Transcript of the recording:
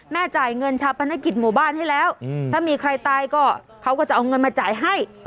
จ่ายเงินชาปนกิจหมู่บ้านให้แล้วถ้ามีใครตายก็เขาก็จะเอาเงินมาจ่ายให้